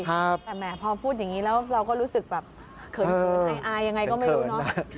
แต่แหมพอพูดอย่างนี้แล้วเราก็รู้สึกแบบเขินอายยังไงก็ไม่รู้เนอะ